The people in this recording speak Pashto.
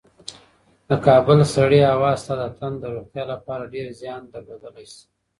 د کابل سړې هوا ستا د تن د روغتیا لپاره ډېر زیان درلودلی شي.